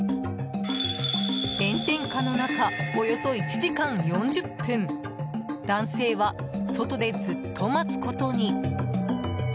炎天下の中およそ１時間４０分男性は外で、ずっと待つことに。